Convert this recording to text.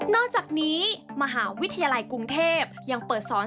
อกจากนี้มหาวิทยาลัยกรุงเทพยังเปิดสอน